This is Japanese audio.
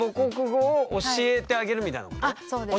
あっそうです。